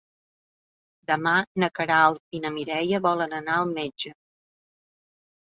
Demà na Queralt i na Mireia volen anar al metge.